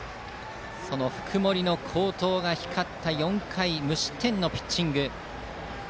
その福盛の好投が光った４回無失点のピッチング。